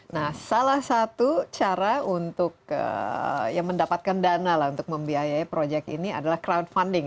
nah salah satu cara untuk mendapatkan dana untuk membiayai projek ini adalah crowdfunding